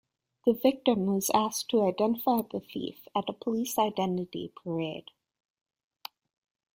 The victim was asked to identify the thief at a police identity parade